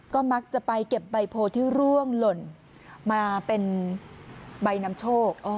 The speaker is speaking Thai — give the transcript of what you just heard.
ก็มักจะไปเก็บใบโพที่ร่วงหล่นมาเป็นใบนำโชค